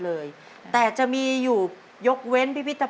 พ่อสนอเลือกที่๒คือแป้งมันครับ